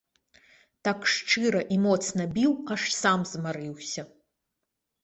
Так шчыра і моцна біў, аж сам змарыўся.